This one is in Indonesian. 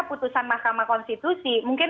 putusan mahkamah konstitusi mungkin